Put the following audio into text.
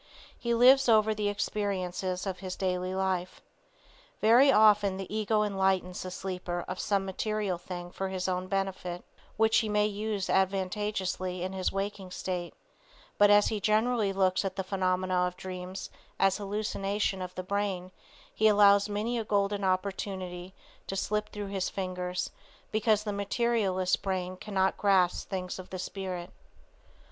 He lives over the experiences of his daily life. Very often the ego enlightens the sleeper of some material thing for his own benefit, which he may use advantageously in his waking state, but as he generally looks at the phenomena of dreams as an hallucination of the brain, he allows many a golden opportunity to slip through his fingers because the materialist's brain cannot grasp things of the spirit.